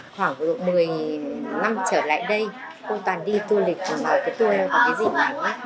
khoảng một mươi năm trở lại đây tôi toàn đi tour lịch vào tour này vào dịp này